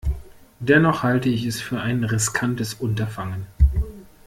Dennoch halte ich es für ein riskantes Unterfangen.